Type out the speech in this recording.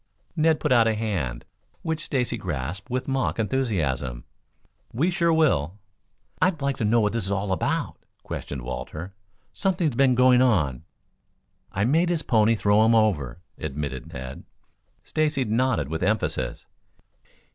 Ned put out a hand, which Stacy grasped with mock enthusiasm. "We sure will." "I'd like to know what this is all about?" questioned Walter. "Something's been going on." "I made his pony throw him over," admitted Ned. Stacy nodded with emphasis.